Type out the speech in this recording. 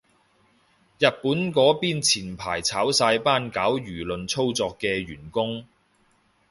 日本嗰邊前排炒晒班搞輿論操作嘅員工